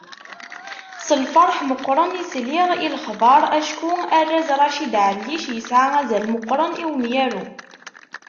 S lferḥ meqqren i sliɣ i lexbar, acku arraz Racid Ɛellic yesɛa azal meqqren i umyaru.